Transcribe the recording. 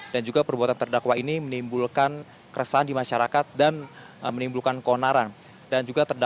dan juga perbuatan terdakwa ini menimbulkan keresahan di masyarakat dan menimbulkan konaran